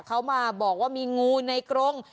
เขามาบอกว่ามีงูในกรง